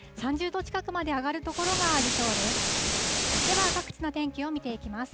３０度近くまで上がる所がありそうです。